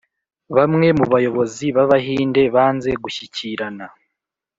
bamwe mu bayobozi b'abahinde banze gushyikirana.